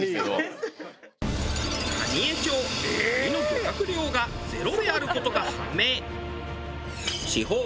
蟹江町蟹の漁獲量が０である事が判明。